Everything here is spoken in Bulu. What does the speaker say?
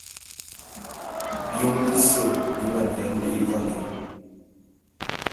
Biôm bise bi maneya li'i valé.